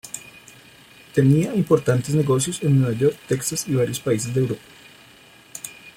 Tenía importantes negocios en Nueva York, Texas y varios países de Europa.